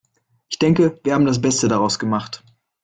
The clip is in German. Ich denke, wir haben das Beste daraus gemacht.